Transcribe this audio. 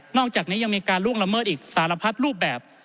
อกจากนี้ยังมีการล่วงละเมิดอีกสารพัดรูปแบบ